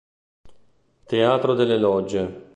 Teatro delle Logge